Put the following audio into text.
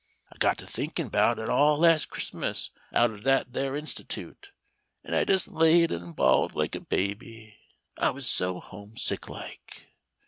I got to thinkin' 'bout it all last Christmas out at that there Institute, and I just laid an' bawled like a baby, I was so home sick like.